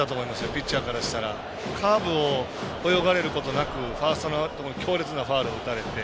ピッチャーからしたらカーブを泳がれることなく強烈なファウルを打たれて。